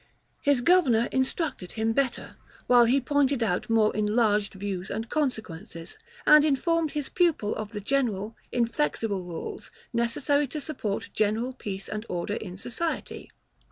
His governor instructed him better, while he pointed out more enlarged views and consequences, and informed his pupil of the general, inflexible rules, necessary to support general peace and order in society.